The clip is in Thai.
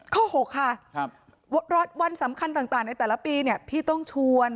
ข้อ๖ค่ะวันสำคัญต่างในแต่ละปีเนี่ยพี่ต้องชวน